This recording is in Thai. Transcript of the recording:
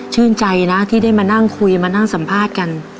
ชื่นใจนะที่ได้มานั่งคุยมานั่งสัมภาษณ์กัน